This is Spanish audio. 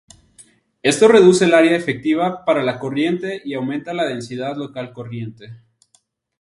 Esto reduce el área efectiva para la corriente y aumenta la densidad local corriente.